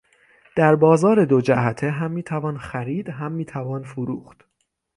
در بازار دو جهته هم میتوان خرید هم میتوان فروخت